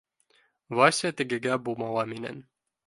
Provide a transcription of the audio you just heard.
Вася тегегә бумала менән